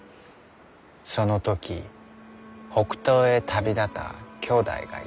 その時北東へ旅立ったきょうだいがいた。